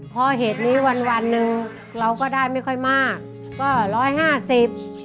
เพราะเหตุนี้วันวันหนึ่งเราก็ได้ไม่ค่อยมากก็ร้อยห้าสิบ